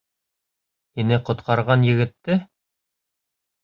Һине ҡотҡарған егетте?